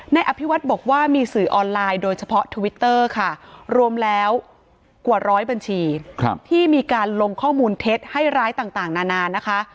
อภิวัฒน์บอกว่ามีสื่อออนไลน์โดยเฉพาะทวิตเตอร์ค่ะรวมแล้วกว่าร้อยบัญชีที่มีการลงข้อมูลเท็จให้ร้ายต่างนานานะคะ